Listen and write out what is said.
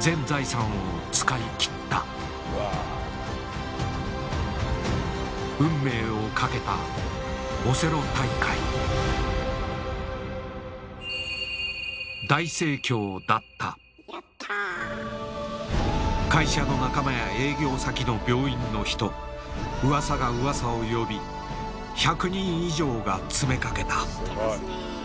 全財産を使い切った運命をかけたオセロ大会大盛況だった会社の仲間や営業先の病院の人うわさがうわさを呼び１００人以上が詰めかけた。